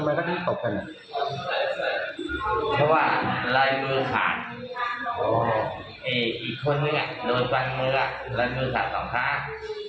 อีกคนเนี่ยโดยตัดมือแล้วมือตัดต่อข้าง